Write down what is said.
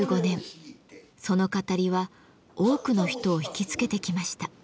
その語りは多くの人を引きつけてきました。